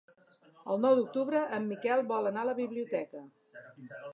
El nou d'octubre en Miquel vol anar a la biblioteca.